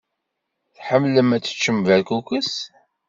Tḥemmlem ad teččem berkukes?